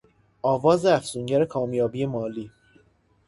آواز افسونگر کامیابی مالی